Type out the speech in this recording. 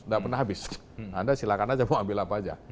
tidak pernah habis anda silakan saja mau ambil apa saja